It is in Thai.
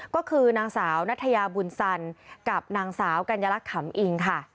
ก็คือนางสาวนัทยาบุญสันกับนางสาวกัญลักษำอิงค่ะ